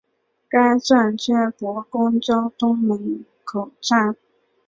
该站接驳公交东门口站。